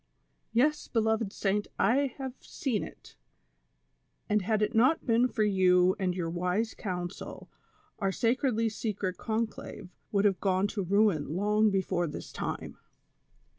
"Yes, beloved saint, I have seen it, and had it not been for you and your wise coiuisel our sacredly secret conclave would have gone to ruin long before this time.